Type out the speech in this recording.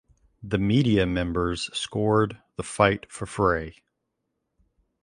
The media members scored the fight for Frey.